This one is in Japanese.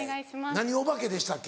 何おばけでしたっけ？